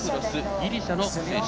ギリシャの選手。